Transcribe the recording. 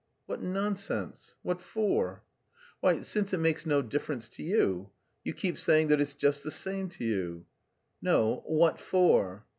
"What nonsense! What for?" "Why, since it makes no difference to you! You keep saying that it's just the same to you." "No, what for?"